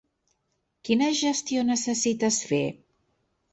Quina gestió necessites fer?